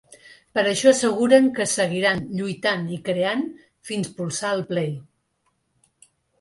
Per això asseguren que seguiran ‘lluitant i creant fins polsar el play’.